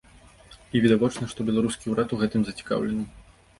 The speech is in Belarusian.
І відавочна, што беларускі ўрад у гэтым зацікаўлены.